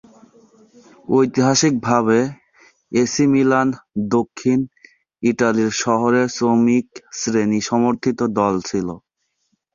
ঐতিহাসিকভাবে AC Milan দক্ষিণ ইতালীর শহরের শ্রমিক শ্রেণী সমর্থিত দল ছিল।